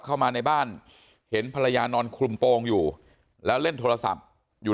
เข้ามาในบ้านเห็นภรรยานอนคลุมโปรงอยู่แล้วเล่นโทรศัพท์อยู่